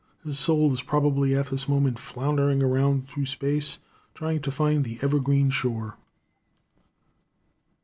His soul is probably at this moment floundering around through space, trying to find the evergreen shore.